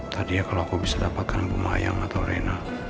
tadi ya kalau aku bisa dapatkan bu mayang atau reina